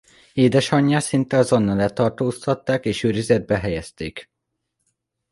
Édesanyját szinte azonnal letartóztatták és őrizetbe helyezték.